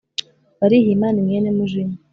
Barihima ni mwene Mujinya.